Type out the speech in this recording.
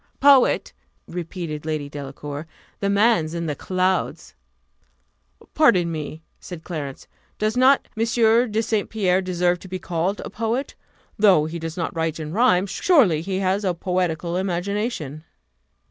"Poet!" repeated Lady Delacour: "the man's in the clouds!" "Pardon me," said Clarence; "does not M. de St. Pierre deserve to be called a poet? Though he does not write in rhyme, surely he has a poetical imagination."